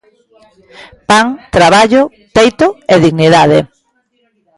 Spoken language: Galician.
Pan, traballo, teito e dignidade.